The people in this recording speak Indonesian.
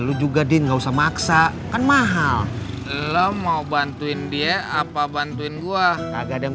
lu juga dia nggak usah maksa kan mahal lo mau bantuin dia apa bantuin gua agak ada yang